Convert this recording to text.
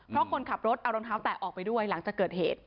เพราะคนขับรถเอารองเท้าแตะออกไปด้วยหลังจากเกิดเหตุ